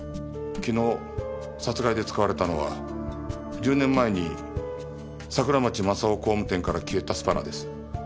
昨日殺害で使われたのは１０年前に桜町正夫工務店から消えたスパナです。